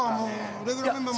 レギュラーメンバーも。